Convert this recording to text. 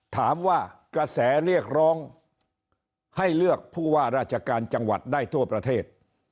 ถามว่ากระแสเรียกร้องให้เลือกผู้ว่าราชการจังหวัดได้ทั่วประเทศ